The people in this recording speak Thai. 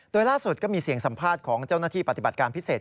โดยล่าสุดก็มีเสียงสัมภาษณ์ของเจ้าหน้าที่ปฏิบัติการพิเศษ